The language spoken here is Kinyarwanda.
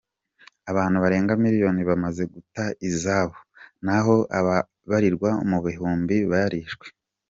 Abantu barenga miliyoni bamaze guta izabo, naho ababarirwa mu bihumbi barishwe.